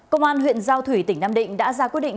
công an huyện giao thủy tỉnh nam định đã ra quyết định